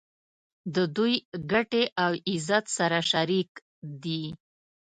د دوی ګټې او عزت سره شریک دي.